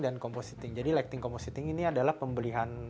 dan compositing jadi lighting compositing ini adalah pembelian